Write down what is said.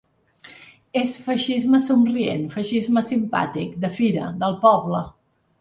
És feixisme somrient, feixisme simpàtic, de fira, del poble.